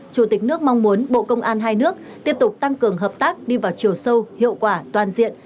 chủ tịch nước mong muốn bộ công an hai nước tiếp tục tăng cường hợp tác đi vào chiều sâu hiệu quả toàn diện